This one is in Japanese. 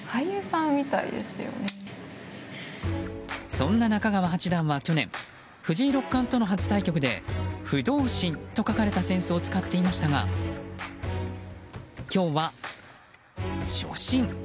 そんな中川八段は去年藤井六冠との初対局で不動心と書かれた扇子を使っていましたが今日は初心。